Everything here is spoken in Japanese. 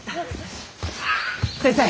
先生！